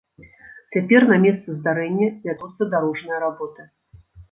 Цяпер на месцы здарэння вядуцца дарожныя работы.